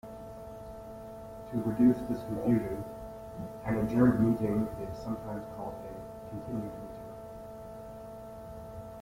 To reduce this confusion, an adjourned meeting is sometimes called a "continued meeting".